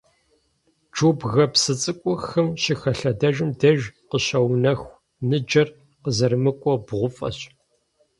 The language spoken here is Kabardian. Джубгэ псы цӀыкӀур хым щыхэлъэдэжым деж къыщыунэху ныджэр къызэрымыкӀуэу бгъуфӀэщ.